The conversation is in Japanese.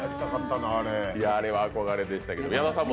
あれは憧れでしたけど。